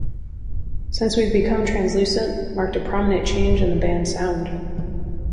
"Since We've Become Translucent" marked a prominent change in the band's sound.